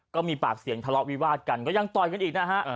ก็มีปากเสียงทะเลาะวิวาดกันก็ยังต่อยกันอีกนะฮะ